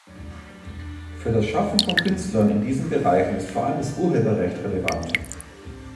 Für das Schaffen von Künstlern in diesen Bereichen ist vor allem das Urheberrecht relevant.